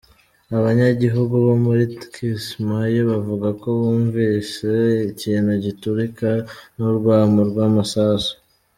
Abanyagihugu bo muri Kismayo bavuga ko bumvise ikintu giturika, n'urwamo rw'amasasu.